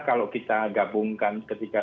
kalau kita gabungkan ketiga